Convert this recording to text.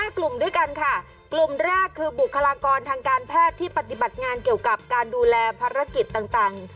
กลุ่มด้วยกันค่ะกลุ่มแรกคือบุคลากรทางการแพทย์ที่ปฏิบัติงานเกี่ยวกับการดูแลภารกิจต่าง